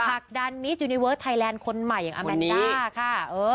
ผลักดันมิจยูนิเวิร์ดไทยแลนด์คนใหม่อย่างอาแมนด้าค่ะ